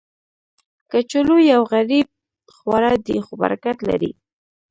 کچالو یو غریب خواړه دی، خو برکت لري